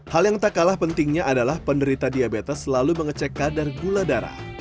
hal yang tak kalah pentingnya adalah penderita diabetes selalu mengecek kadar gula darah